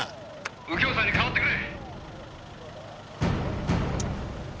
「右京さんに代わってくれ！」